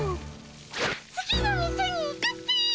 次の店に行くっピ。